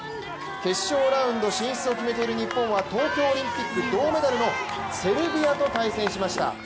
決勝ラウンド進出を決めている日本は東京オリンピック銅メダルのセルビアと対戦しました。